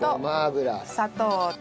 砂糖と。